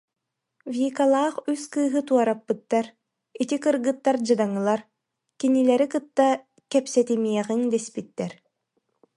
Викалаах үс кыыһы туораппыттар, ити кыргыттар дьадаҥылар, кинилэри кытта кэпсэтимиэҕиҥ дэспиттэр